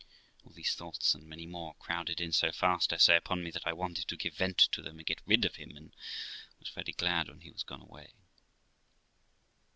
All these thoughts, and many more, crowded in so fast, I say, upon me, that I wanted to give vent to them and get rid of him, and was very glad when he was gone away.